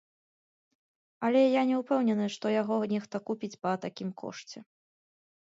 Але я не ўпэўнены, што яго нехта купіць па такім кошце.